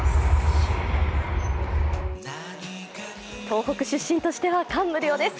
東北出身としては感無量です。